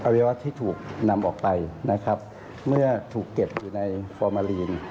วัยวะที่ถูกนำออกไปนะครับเมื่อถูกเก็บอยู่ในฟอร์มาลีน